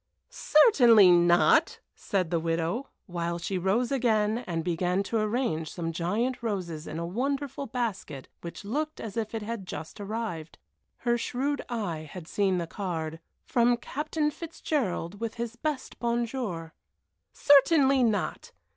"Certainly not!" said the widow, while she rose again and began to arrange some giant roses in a wonderful basket which looked as if it had just arrived her shrewd eye had seen the card, "From Captain Fitzgerald, with his best bonjour." "Certainly not!